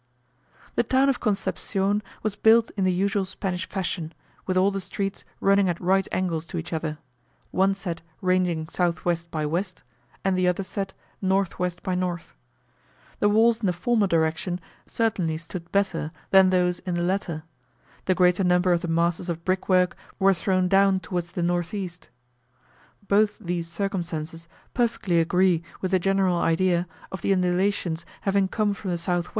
The town of Concepcion was built in the usual Spanish fashion, with all the streets running at right angles to each other; one set ranging S.W. by W., and the other set N.W. by N. The walls in the former direction certainly stood better than those in the latter; the greater number of the masses of brickwork were thrown down towards the N.E. Both these circumstances perfectly agree with the general idea, of the undulations having come from the S.W.